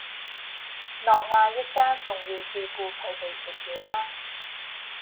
諾亞一家仲要照顧佢哋食嘢啦